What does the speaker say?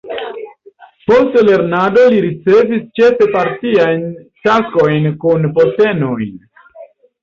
Post lernado li ricevis ĉefe partiajn taskojn kun postenojn.